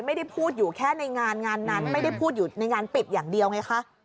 ไม่ได้พูดอยู่แค่ในงานงานนั้นไม่ได้พูดอยู่ในงานปิดอย่างเดียวไงคะ